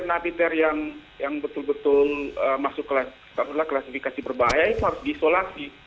tapi napiter yang betul betul masuk kelasifikasi berbahaya itu harus disolasi